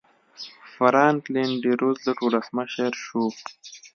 فرانکلن ډي روزولټ ولسمشر شو.